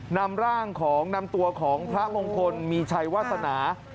นำร่างของนำตัวของพระมงคลมีชัยวาสนา